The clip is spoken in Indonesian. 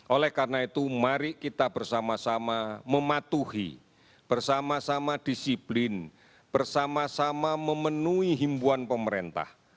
oleh karena itu mari kita bersama sama mematuhi bersama sama disiplin bersama sama memenuhi himbuan pemerintah